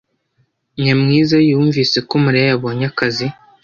Nyamwiza yumvise ko Mariya yabonye akazi.